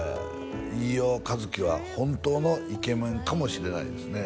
飯尾和樹は本当のイケメンかもしれないですね